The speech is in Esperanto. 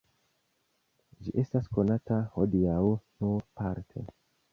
Ĝi estas konata hodiaŭ nur parte.